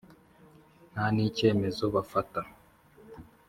Nta n icyemezo bafata